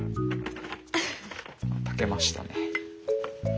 炊けましたね。